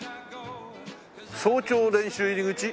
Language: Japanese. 「早朝練習入口」